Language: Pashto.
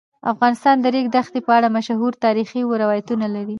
افغانستان د د ریګ دښتې په اړه مشهور تاریخی روایتونه لري.